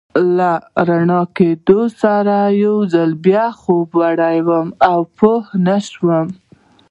له رڼا کېدو سره یو ځل بیا خوب وړی وم او پوه نه شوم.